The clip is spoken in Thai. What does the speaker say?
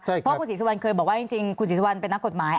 เพราะคุณศรีสุวรรณเคยบอกว่าจริงคุณศรีสุวรรณเป็นนักกฎหมาย